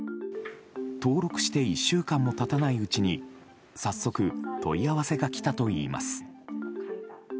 登録して１週間も経たないうちに早速問い合わせが来たといいます。